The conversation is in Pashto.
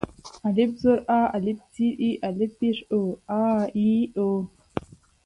الپ زر آ، الپ زر اي، الپ پېښ أو آآ اي او.